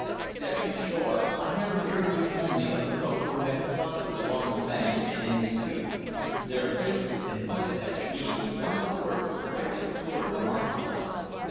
Stepping ashore, I had a rear view only of the folk who had clustered along the banks and in the street, their faces and footsteps being with one accord directed toward the market place.